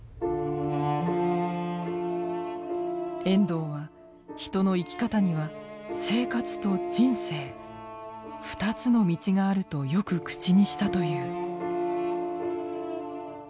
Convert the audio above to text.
遠藤は人の生き方には「生活」と「人生」ふたつの道があるとよく口にしたという。